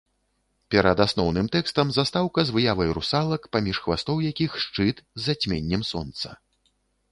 Перад асноўным тэкстам застаўка з выявай русалак, паміж хвастоў якіх шчыт з зацьменнем сонца.